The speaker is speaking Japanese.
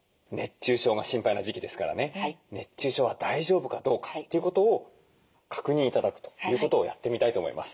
熱中症は大丈夫かどうかということを確認頂くということをやってみたいと思います。